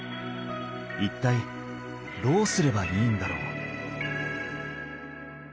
一体どうすればいいんだろう？